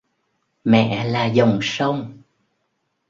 Mẹ là dòng sông